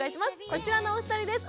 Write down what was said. こちらのお二人です。